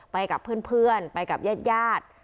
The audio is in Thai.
ไปกับเพื่อนไปกับญาติญาติ